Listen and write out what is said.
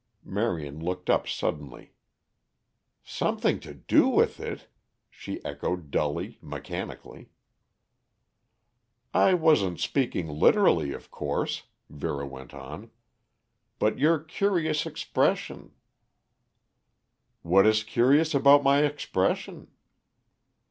Marion looked up suddenly. "Something to do with it?" she echoed dully, mechanically. "I wasn't speaking literally, of course." Vera went on. "But your curious expression " "What is curious about my expression?"